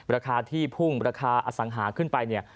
ราคาที่พุ่งราคาอสังหาขึ้นไปเนี่ย